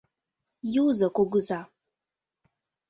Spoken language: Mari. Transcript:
Юзо кугыза.